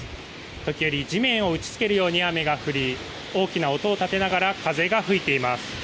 時折、地面を打ち付けるように雨が降り大きな音を立てながら風が吹いています。